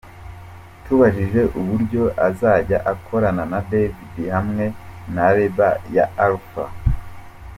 Tumubajije uburyo azajya akorana na David hamwe na label yaAlpha.